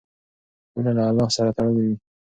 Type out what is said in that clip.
هیله له الله سره تړلې وي.